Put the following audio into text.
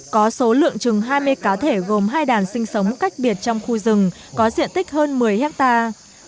có số lượng chừng hai mươi cá thể gồm hai đàn sinh sống cách biệt trong khu rừng có diện tích hơn một mươi hectare